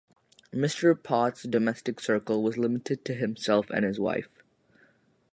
Mr. Pott’s domestic circle was limited to himself and his wife.